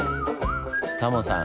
タモさん